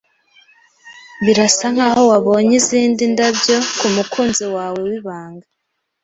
Birasa nkaho wabonye izindi ndabyo kumukunzi wawe wibanga.